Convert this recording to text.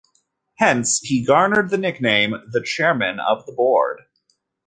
Hence, he garnered the nickname "The Chairman of the Board".